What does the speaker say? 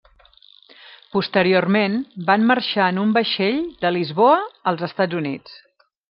Posteriorment, van marxar en un vaixell de Lisboa als Estats Units.